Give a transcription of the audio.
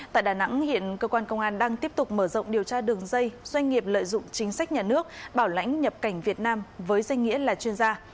tại đà nẵng hiện cơ quan công an đang tiếp tục mở rộng điều tra đường dây doanh nghiệp lợi dụng chính sách nhà nước bảo lãnh nhập cảnh việt nam với danh nghĩa là chuyên gia